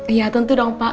iya tentu dong pak